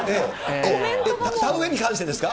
田植えに関してですか？